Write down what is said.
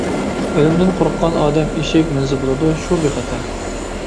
-ئۆلۈمدىن قورققان ئادەم ئېشەك مىنسە بولىدۇ، شۇ بىخەتەر.